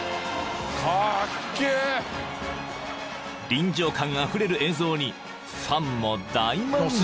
［臨場感あふれる映像にファンも大満足］